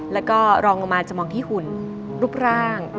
แล้วก็รองลงมาจะมองที่หุ่นรูปร่าง